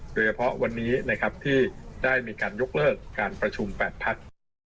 โดยเฉพาะวันนี้นะครับที่ได้มีการยกเลิกการประชุม๘พัก